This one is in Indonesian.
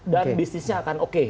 dan bisnisnya akan oke